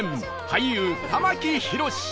俳優玉木宏